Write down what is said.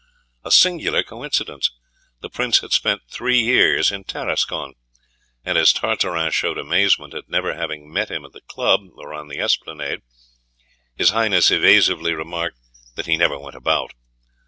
A singular coincidence! the prince had spent three years in Tarascon; and as Tartarin showed amazement at never having met him at the club or on the esplanade, His Highness evasively remarked that he never went about.